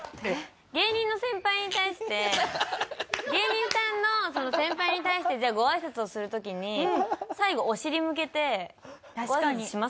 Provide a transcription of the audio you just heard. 芸人の先輩に対して芸人さんの先輩に対してじゃあごあいさつをする時に最後お尻向けてごあいさつしますか？